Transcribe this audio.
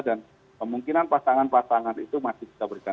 dan kemungkinan pasangan pasangan itu masih bisa berjalan